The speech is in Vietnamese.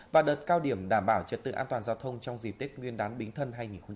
và đợt cao điểm đảm bảo trật tự an toàn giao thông trong dịp tết nguyên đán bình thân hai nghìn một mươi sáu